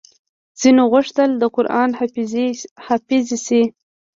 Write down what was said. ځينو غوښتل د قران حافظې شي